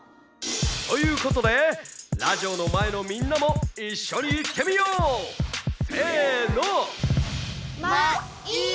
「ということでラジオのまえのみんなもいっしょにいってみよう！せの！」。